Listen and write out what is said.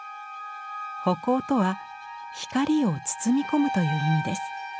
葆光とは「光を包み込む」という意味です。